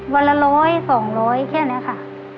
วันละ๑๐๐๒๐๐แค่นี้ค่ะ